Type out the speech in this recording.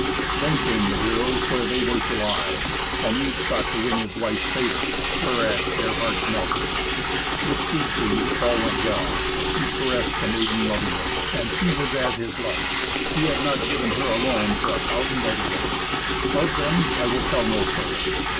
Then came the heroes where they were to lie, and each thought to win his wife's favour, whereat their hearts melted. With Siegfried all went well. He caressed the maiden lovingly, and she was as his life. He had not given her alone for a thousand other women. Of them I will tell no further.